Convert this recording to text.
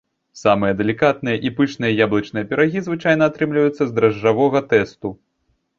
Самыя далікатныя і пышныя яблычныя пірагі звычайна атрымліваюцца з дражджавога тэсту.